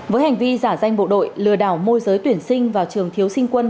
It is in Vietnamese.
với hành vi giả danh bộ đội lừa đảo môi giới tuyển sinh vào trường thiếu sinh quân